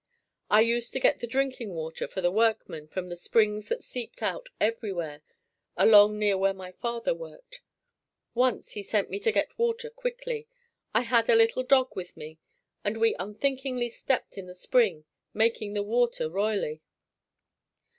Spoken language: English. I used to get the drinking water for the workmen from the springs that seeped out everywhere along near where my father worked. Once he sent me to get water quickly. I had a little dog with me and we unthinkingly stepped in the spring making the water roily.